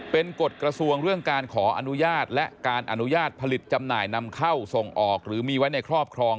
เป็นกฎกระทรวงเรื่องการขออนุญาตและการอนุญาตผลิตจำหน่ายนำเข้าส่งออกหรือมีไว้ในครอบครอง